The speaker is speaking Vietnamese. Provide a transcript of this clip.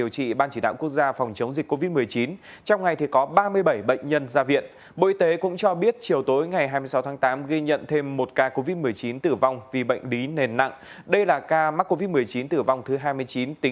xin chào và hẹn gặp lại